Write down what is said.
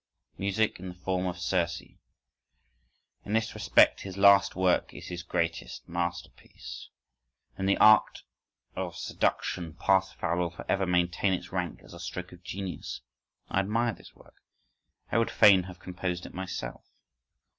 Music in the form of Circe … in this respect his last work is his greatest masterpiece. In the art of seduction "Parsifal" will for ever maintain its rank as a stroke of genius.… I admire this work. I would fain have composed it myself.